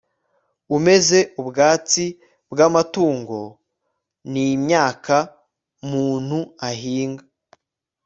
umeza ubwatsi bw'amatungo, n'imyaka muntu ahinga